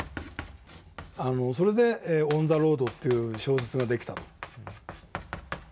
それで「オン・ザ・ロード」という小説が出来た。